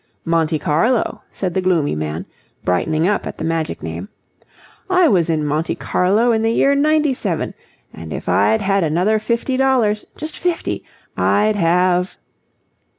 "Monte Carlo," said the gloomy man, brightening up at the magic name. "I was in Monte Carlo in the year '97, and if I'd had another fifty dollars... just fifty... I'd have..."